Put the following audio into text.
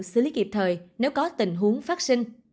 xử lý kịp thời nếu có tình huống vaccine